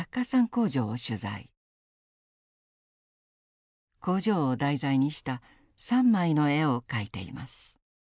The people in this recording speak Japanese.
工場を題材にした３枚の絵を描いています。